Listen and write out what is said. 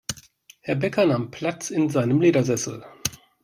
Herr Bäcker nahm Platz in seinem Ledersessel.